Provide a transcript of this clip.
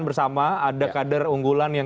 bersama ada kader unggulan yang